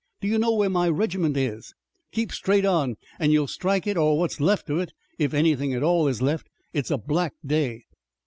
Do you know where my regiment is?" "Keep straight on, and you'll strike it or what's left of it, if anything at all is left. It's a black day."